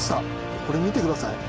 これ見てください。